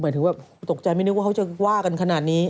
ถึงแบบตกใจไม่นึกว่าเขาจะว่ากันขนาดนี้